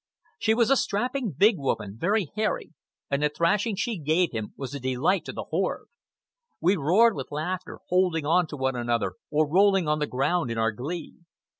She was a strapping big woman, very hairy, and the thrashing she gave him was a delight to the horde. We roared with laughter, holding on to one another or rolling on the ground in our glee.